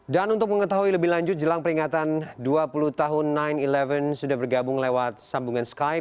dan untuk mengetahui lebih lanjut jelang peringatan dua puluh tahun sembilan sebelas sudah bergabung lewat sambungan skype